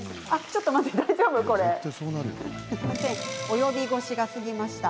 及び腰がすぎました。